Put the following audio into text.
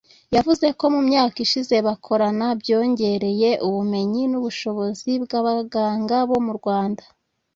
yavuze ko mu myaka ishize bakorana byongereye ubumenyi n’ubushobozi bw’abaganga bo mu Rwanda